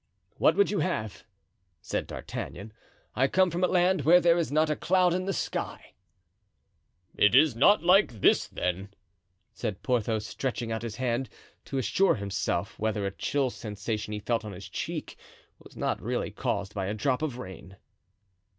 "What would you have?" said D'Artagnan. "I come from a land where there is not a cloud in the sky." "It is not like this, then," said Porthos stretching out his hand to assure himself whether a chill sensation he felt on his cheek was not really caused by a drop of rain.